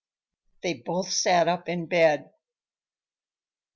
They both sat up in bed.